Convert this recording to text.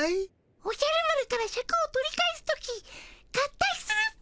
おじゃる丸からシャクを取り返す時合体するっピ。